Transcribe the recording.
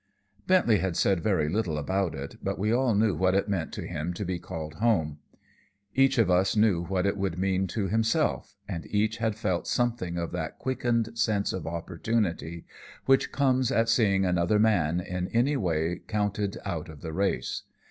Bentley had said very little about it, but we all knew what it meant to him to be called home. Each of us knew what it would mean to himself, and each had felt something of that quickened sense of opportunity which comes at seeing another man in any way counted out of the race.